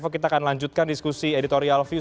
kita akan lanjutkan diskusi editorial view